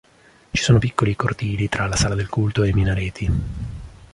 Ci sono piccoli cortili tra la sala del culto e i minareti.